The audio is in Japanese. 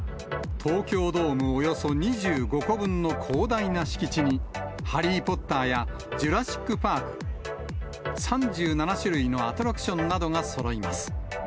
東京ドームおよそ２５個分の広大な敷地に、ハリー・ポッターやジュラシック・パーク、３７種類のアトラクションなどがそろいます。